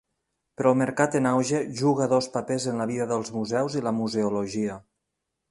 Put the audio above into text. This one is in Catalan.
Però el mercat en auge juga dos papers en la vida dels museus i la museologia.